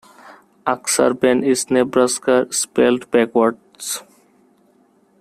Ak-Sar-Ben is "Nebraska" spelled backwards.